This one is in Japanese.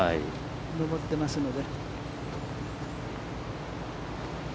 上ってますので。